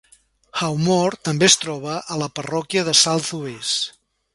Howmore també es troba a la parròquia de South Uist.